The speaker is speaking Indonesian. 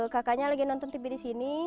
kakaknya lagi nonton tv di sini